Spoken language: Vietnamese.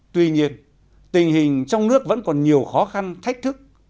tuy nhiên tình hình trong nước vẫn còn nhiều khó khăn thách thức